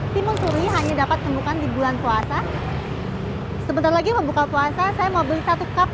timun suri hanya dapat temukan di bulan puasa sebentar lagi mau buka puasa saya mau beli satu cup